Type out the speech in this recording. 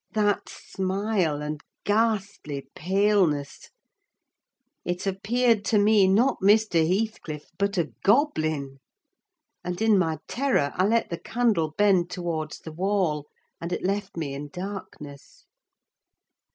That smile, and ghastly paleness! It appeared to me, not Mr. Heathcliff, but a goblin; and, in my terror, I let the candle bend towards the wall, and it left me in darkness.